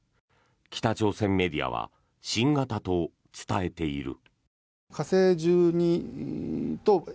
北朝鮮メディアは新型と伝えている。